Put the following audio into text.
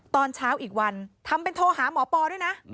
ตอนเช้าอีกวันทำเป็นโทรหาหมอปอด้วยนะ